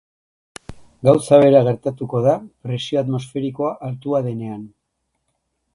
Gauza bera gertatuko da presio atmosferikoa altua denean.